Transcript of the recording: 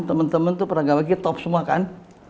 temen temen tuh pernah gak lagi top semua kan